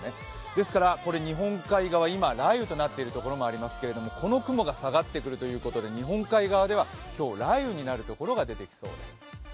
ですから、日本海側、今雷雨となっているところもありますけれどもこの雲が下がってくるということで日本海側では今日、雷雨になるところが出てきそうです。